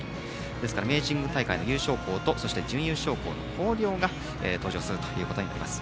ですから明治神宮大会の優勝校と準優勝校の広陵が登場することになります。